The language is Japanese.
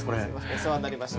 お世話になりました。